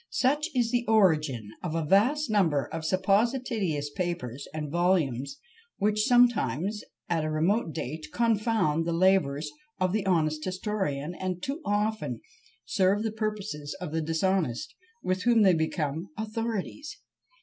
Such is the origin of a vast number of supposititious papers and volumes, which sometimes, at a remote date, confound the labours of the honest historian, and too often serve the purposes of the dishonest, with whom they become authorities.